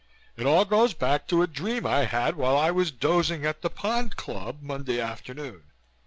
It all goes back to a dream I had while I was dozing at the Pond Club Monday afternoon.